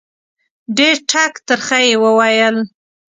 ډېر ټک ترخه یې وویل